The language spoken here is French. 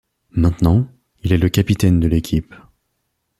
Maintenant, il est le capitaine de l'équipe.